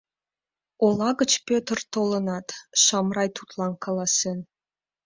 Ола гыч Пӧтыр толынат, Шамрай тудлан каласен: